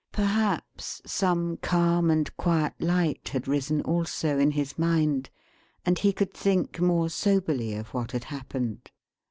Perhaps some calm and quiet light had risen also, in his mind; and he could think more soberly of what had happened.